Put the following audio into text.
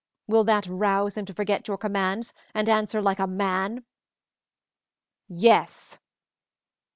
Will that rouse him to forget your commands and answer like a man?" "Yes!"